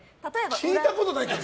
聞いたことないけど。